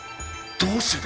どうしてだ！